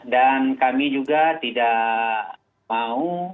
dan kami juga tidak mau